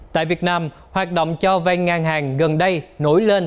tại việt nam hoạt động cho vay ngang hàng gần đây nổi lên